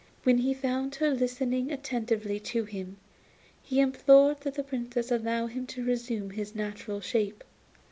When he found her listening attentively to him, he implored the Princess to allow him to resume his natural shape.